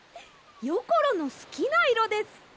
よころのすきないろです！